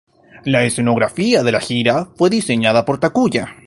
La escenografía de la gira fue diseñada por Takuya.